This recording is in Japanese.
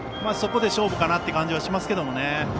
そこで勝負かなという感じはしますけどね。